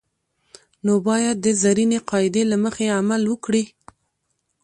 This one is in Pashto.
نو باید د زرینې قاعدې له مخې عمل وکړي.